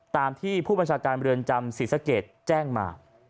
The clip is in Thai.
ตามที่ผู้บัญชาการเรือนจำศรีสะเกดแจ้งมา